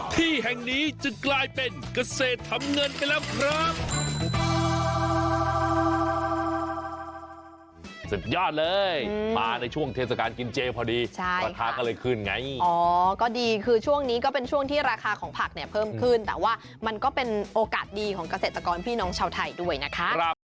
ที่แห่งนี้จึงกลายเป็นเกษตรทำเงินไปแล้วครับ